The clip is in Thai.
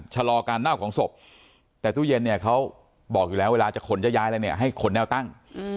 ชะลอการเน่าของศพแต่ตู้เย็นเขาบอกอยู่แล้วเวลาจะขนจะย้ายให้ขนแนวตั้ง